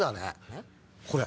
えっ？